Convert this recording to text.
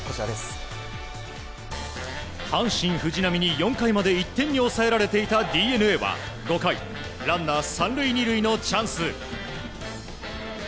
阪神、藤浪に４回まで１点に抑えられていたＤｅＮＡは５回ランナー３塁２塁のチャンス。